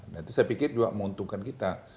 nanti saya pikir juga menguntungkan kita